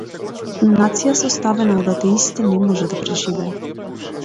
Нација составена од атеисти не може да преживее.